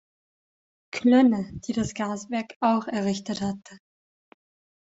Klönne, die das Gaswerk auch errichtet hatte.